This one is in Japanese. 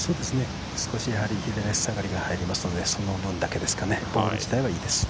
少し左足下がりが入りますので、その分だけですかね。